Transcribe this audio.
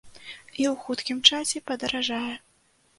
І ў хуткім часе падаражае.